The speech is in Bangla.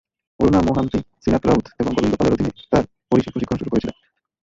অরুণা মোহান্তি শ্রীনাথ রাউত এবং গোবিন্দ পালের অধীনে তাঁর ওড়িশি প্রশিক্ষণ শুরু করেছিলেন।